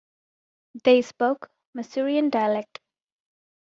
They spoke Masurian dialect.